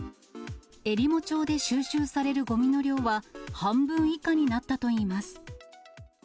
えりも町で収集されるごみの量は、半分以下になったといいます。